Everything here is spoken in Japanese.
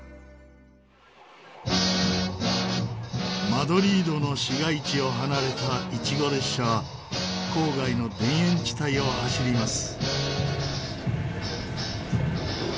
マドリードの市街地を離れたイチゴ列車は郊外の田園地帯を走ります。